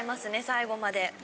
最後まで。